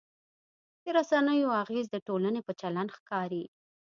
د رسنیو اغېز د ټولنې په چلند ښکاري.